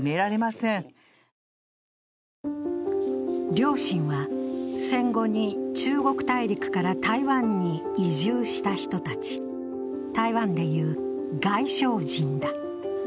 両親は戦後に中国大陸から台湾に移住した人たち、台湾で言う外省人だ。